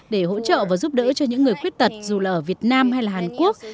để hỗ trợ và giúp đỡ cho những người khuyết tật dù là ở việt nam hay là hàn quốc